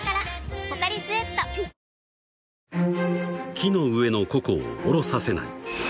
［木の上のココを下ろさせない。